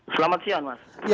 selamat siang mas